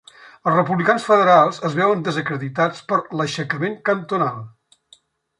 Els republicans federals es veuen desacreditats per l'aixecament cantonal.